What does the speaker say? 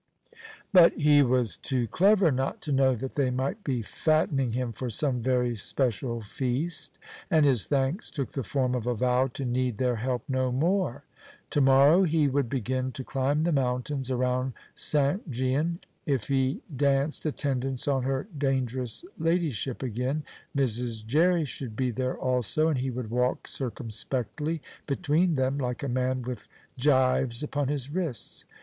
But he was too clever not to know that they might be fattening him for some very special feast, and his thanks took the form of a vow to need their help no more. To morrow he would begin to climb the mountains around St. Gian; if he danced attendance on her dangerous Ladyship again, Mrs. Jerry should be there also, and he would walk circumspectly between them, like a man with gyves upon his wrists.